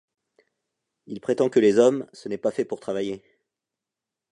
Il prétend que les hommes, ce n’est pas fait pour travailler.